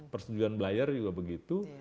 persejuan belayar juga begitu